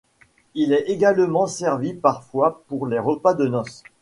Il est également servi parfois pour les repas de noces.